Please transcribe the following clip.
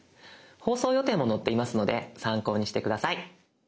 放送予定も載っていますので参考にして下さい。